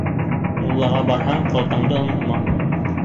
Муллаға барһаң ҡалтаңды онотма.